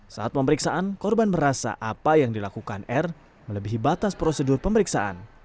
saat pemeriksaan korban merasa apa yang dilakukan r melebihi batas prosedur pemeriksaan